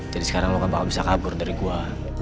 jadi sekarang lo gak bakal bisa kabur dari gue